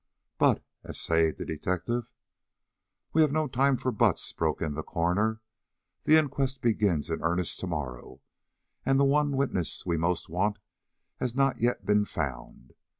"But " essayed the detective. "We have no time for buts," broke in the coroner. "The inquest begins in earnest to morrow, and the one witness we most want has not yet been found.